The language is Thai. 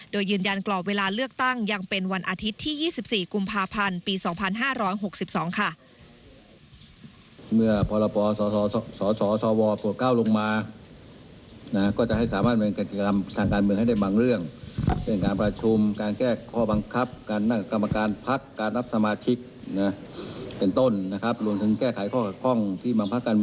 โดยยืนยันกรอบเวลาเลือกตั้งยังเป็นวันอาทิตย์ที่๒๔กุมภาพันธ์ปี๒๕๖๒ค่ะ